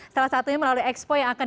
salah satunya melalui expo yang akan